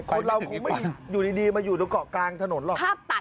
คนเราคงไม่อยู่ดีมาอยู่ตรงเกาะกลางถนนหรอก